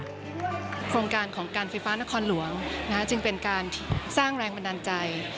โครงการของการไฟฟ้านครหลวงจึงเป็นการสร้างแรงบันดาลใจ